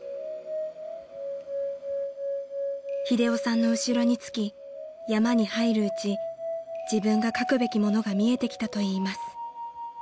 ［英雄さんの後ろにつき山に入るうち自分が描くべきものが見えてきたといいます］